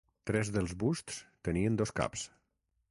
Tres dels busts tenien dos caps.